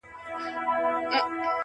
له کوچي ورځې چي ته تللې يې په تا پسې اوس,